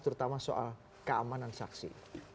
terutama soal keamanan saksi